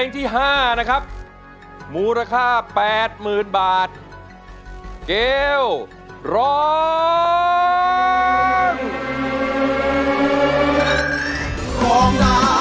ที่ห้านะครับมูลค่าแปดหมื่นบาทเกลร้อง